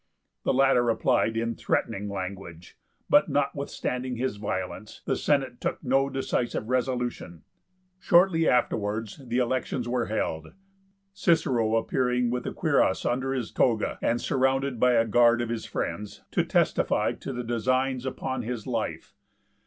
The latter replied in threatening language; but, notwithstanding his violence, the Senate took no decisive resolution. Shortly afterwards the elections were held; Cicero appearing with a cuirass under his toga, and surrounded by a guard of his friends, to testify to the designs upon his life.